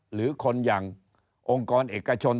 หรือคนอย่างองค์กรเอกชน